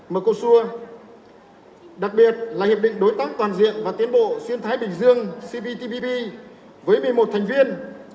mecosur đặc biệt là hiệp định đối tác toàn diện và tiến bộ xuyên thái bình dương cptpp với một mươi một thành viên